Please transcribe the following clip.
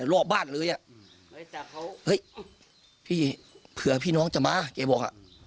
เฮ้ยพี่เผื่อพี่น้องจะมาแกบอก